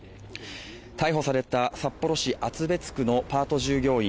逮捕された札幌市厚別区のパート従業員